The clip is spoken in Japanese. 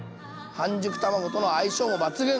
半熟卵との相性抜群。